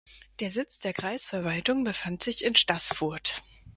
Der Sitz der Kreisverwaltung befand sich in Staßfurt.